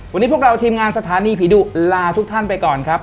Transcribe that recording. วันนี้พวกเราทีมงานสถานีผีดุลาทุกท่านไปก่อนครับ